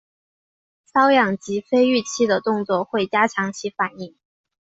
搔痒及非预期的动作会加强其反应。